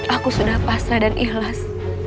aku sudah pasrah dan ikhlas